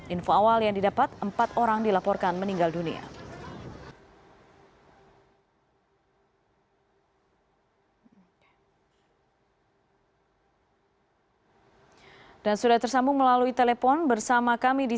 info awal yang didapat empat orang dilaporkan meninggal dunia